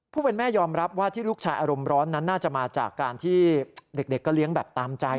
ผู้เป็นแม่ยอมรับว่าที่ลูกชายอารมณ์ร้อนนั้นน่าจะมาจากการที่เด็กก็เลี้ยงแบบตามใจ